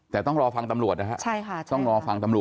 แต่ต้องรอฟังตำรวจนะครับ